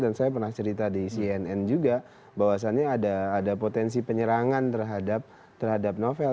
dan saya pernah cerita di cnn juga bahwasannya ada potensi penyerangan terhadap novel